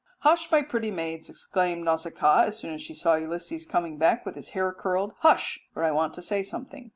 "Hush, my pretty maids," exclaimed Nausicaa as soon as she saw Ulysses coming back with his hair curled, "hush, for I want to say something.